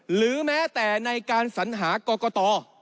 หรือแม้แต่ในการสัญหากรกต